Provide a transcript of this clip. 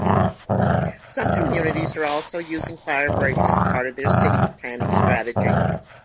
Some communities are also using firebreaks as part of their city planning strategy.